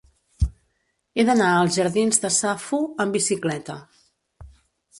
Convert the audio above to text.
He d'anar als jardins de Safo amb bicicleta.